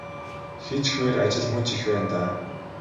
Хийчихмээр ажил мөн ч их байна даа.